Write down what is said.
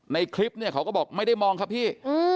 ในคลิปเนี่ยเขาก็บอกไม่ได้มองครับพี่